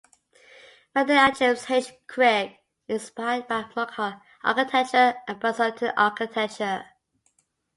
Madill and James H. Craig and inspired by Mughal architecture and Byzantine architecture.